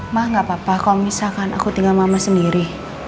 mah gak apa apa kalau misalkan aku tinggal mama sendiri